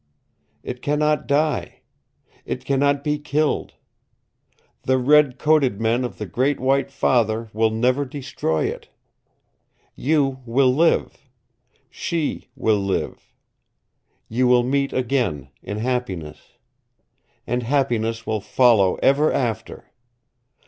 It cannot die. It cannot be killed. The Red Coated men of the Great White Father will never destroy it. You will live. She will live. You will meet again in happiness. And happiness will follow ever after.